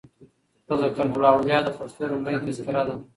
"تذکرة الاولیا" دپښتو لومړۍ تذکره ده.